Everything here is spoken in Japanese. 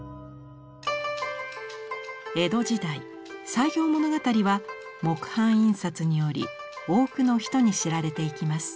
江戸時代「西行物語」は木版印刷により多くの人に知られていきます。